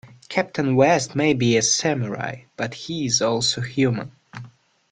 Captain West may be a Samurai, but he is also human.